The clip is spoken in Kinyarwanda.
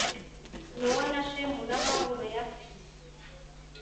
Nowa na Shemu na Hamu na Yafeti